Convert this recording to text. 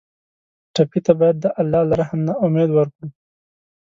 ټپي ته باید د الله له رحم نه امید ورکړو.